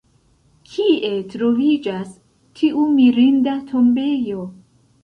Kie troviĝas tiu mirinda tombejo?